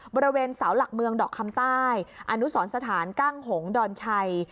บริเวณเสาหลักเมืองดอกคำใต้อนุสรสถานกั้งหงษอนชัย